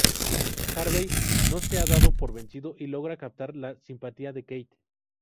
Harvey no se da por vencido y logra captar la simpatía de Kate.